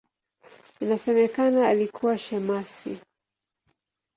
Inasemekana alikuwa shemasi.